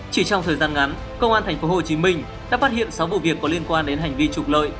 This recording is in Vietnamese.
chỉ trong thời gian ngắn công an tp hcm đã phát hiện sáu vụ việc có liên quan đến hành vi trục lợi